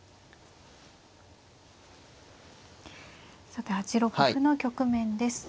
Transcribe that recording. さて８六歩の局面です。